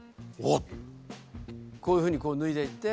こういうふうにこう脱いでいって。